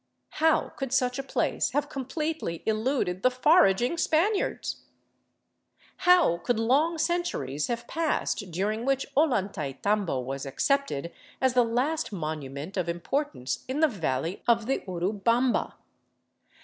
How could such a place have completely eluded the foraging Spaniards? How could long centuries have passed dur 470 A FORGOTTEN CITY OF THE ANDES ing which Ollantaytambo was accepted as the last monument of im portance in the valley of the Urubamba